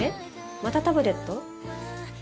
またタブレット？